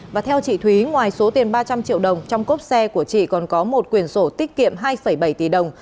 và theo chị thúy ngoài số tiền ba trăm linh triệu đồng trong cốp xe của chị còn có một quyền sổ tiết kiệm hai bảy tỷ đồng